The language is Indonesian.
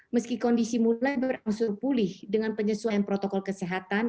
meski kondisi mulai berangsur pulih dengan penyesuaian protokol kesehatan